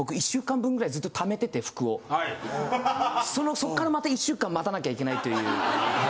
そこからまた１週間待たなきゃいけないという。